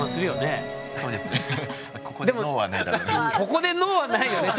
ここでＮＯはないよね